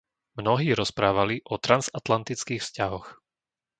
Mnohí rozprávali o transatlantických vzťahoch.